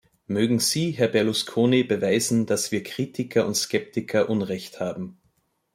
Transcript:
Mögen Sie, Herr Berlusconi, beweisen, dass wir Kritiker und Skeptiker Unrecht haben.